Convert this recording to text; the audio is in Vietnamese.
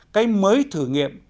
cái mới thử nghiệm